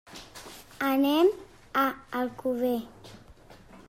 Anem a Alcover.